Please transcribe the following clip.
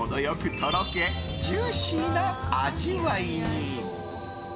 とろけジューシーな味わいに。